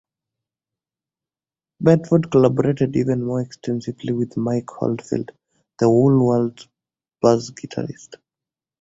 Bedford collaborated even more extensively with Mike Oldfield, The Whole World's bass guitarist.